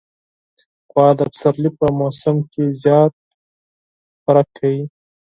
غوا د پسرلي په موسم کې زیات خوراک کوي.